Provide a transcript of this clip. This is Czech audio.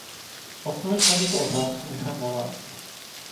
Odpověď na tuto otázku nechám na vás.